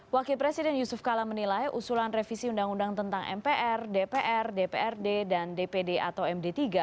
wakil presiden yusuf kala menilai usulan revisi undang undang tentang mpr dpr dprd dan dpd atau md tiga